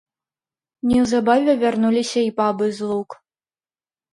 Неўзабаве вярнуліся й бабы з лук.